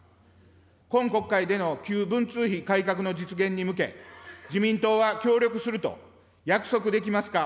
今国会での旧文通費改革の実現に向け、自民党は協力すると約束できますか。